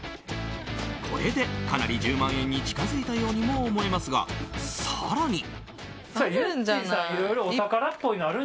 これで、かなり１０万円に近付いたようにも思えますが更に。